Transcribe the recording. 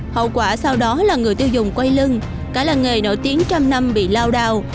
hậu quả sau đó là người tiêu dùng quay lưng cả làng nghề nổi tiếng trăm năm bị lao đao